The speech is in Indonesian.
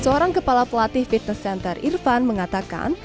seorang kepala pelatih fitness center irfan mengatakan